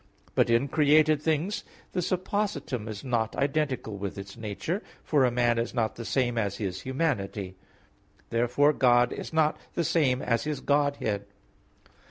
But in created things the suppositum is not identical with its nature; for a man is not the same as his humanity. Therefore God is not the same as His Godhead.